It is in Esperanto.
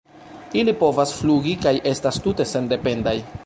Ili povas flugi kaj estas tute sendependaj.